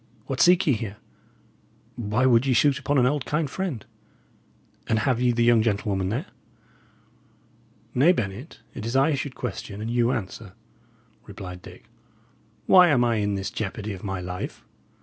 what seek ye here? Why would ye shoot upon an old, kind friend? And have ye the young gentlewoman there?" "Nay, Bennet, it is I should question and you answer," replied Dick. "Why am I in this jeopardy of my life?